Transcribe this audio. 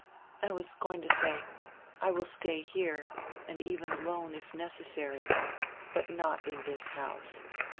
"I was going to say, I will stay here, and even alone, if necessary. But not in this house.